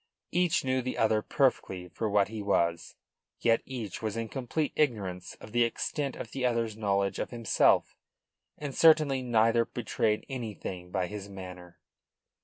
Each knew the other perfectly for what he was; yet each was in complete ignorance of the extent of the other's knowledge of himself; and certainly neither betrayed anything by his manner.